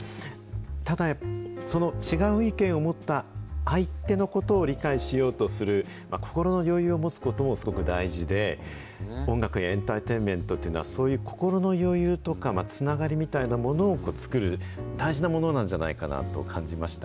ただ、その違う意見を持った相手のことを理解しようとする心の余裕を持つこともすごく大事で、音楽やエンターテインメントというのは、そういう心の余裕とか、つながりみたいなものを作る大事なものなんじゃないかなと感じました。